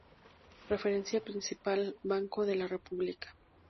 Referencia principal: Banco de la República.